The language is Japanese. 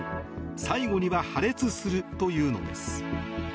最後には破裂するというのです。